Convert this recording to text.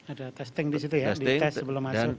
ada testing di situ ya di test sebelum masuk